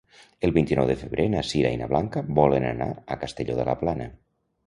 El vint-i-nou de febrer na Sira i na Blanca volen anar a Castelló de la Plana.